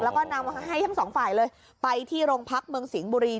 แล้วก็นำให้ทั้งสองฝ่ายเลยไปที่โรงพักเมืองสิงห์บุรี